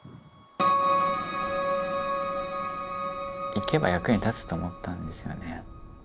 行けば役に立つと思ったんですよね。